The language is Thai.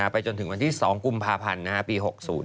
ไปจนถึงวันที่๒กุมภาพันธ์ปี๖๐